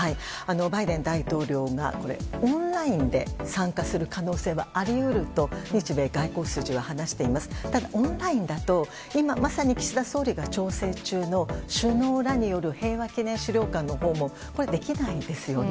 バイデン大統領がオンラインで参加する可能性はあり得ると日米外交筋は話していますがオンラインだと今まさに岸田総理が調整中の首脳らによる平和記念資料館の訪問ができないですよね。